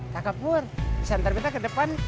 kakak pur bisa ntar kita ke depan